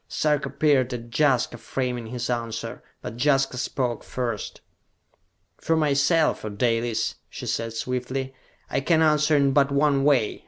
Sarka peered at Jaska, framing his answer. But Jaska spoke first. "For myself, O Dalis," she said swiftly, "I can answer in but one way.